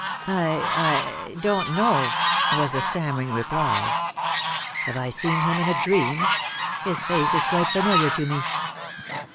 "I I don't know," was the stammering reply. "Have I seen him in a dream? His face is quite familiar to me."